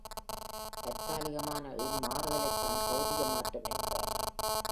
தற்காலிகமான இம் மாறுதலைத்தான் பெளதிக மாற்றம் என்கிறார்கள்.